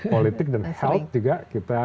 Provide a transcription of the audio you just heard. politik dan house juga kita